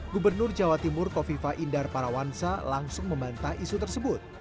gubernur jawa timur kofifa indar parawansa langsung membantah isu tersebut